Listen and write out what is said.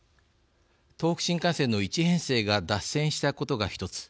東北新幹線の１編成が脱線したことが１つ。